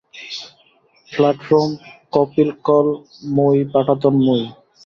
Platform, কপিকল, মই, পাটাতন, মই।